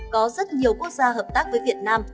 có rất nhiều quốc gia hợp tác với việt nam